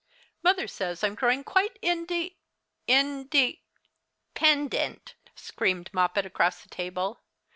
Mother says I'm growing quite inde in de " "Pendent!" screamed Moppet across the table.